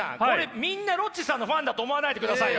みんなロッチさんのファンだと思わないでくださいよ！